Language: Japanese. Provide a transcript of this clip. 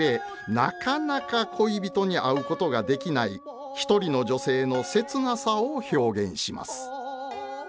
なかなか恋人に会うことができない一人の女性の切なさを表現します。